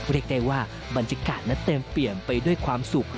เรียกได้ว่าบรรยากาศนั้นเต็มเปี่ยมไปด้วยความสุข